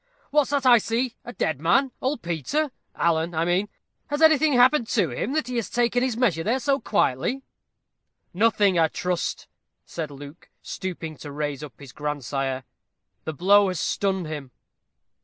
What's that I see a dead man? Old Peter Alan I mean has anything happened to him, that he has taken his measure there so quietly?" "Nothing, I trust," said Luke, stooping to raise up his grandsire. "The blow has stunned him."